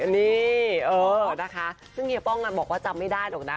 นี่นะคะซึ่งเฮียป้องบอกว่าจำไม่ได้หรอกนะ